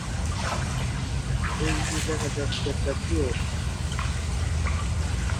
তিনি ছিলেন তখন সর্বোচ্চ লাভজনক শোরা ব্যবসায়ের একচেটিয়া অধিকারী।